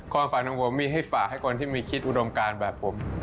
ความฝันของผมมีให้ฝากให้คนที่มีคิดอุดมการแบบผม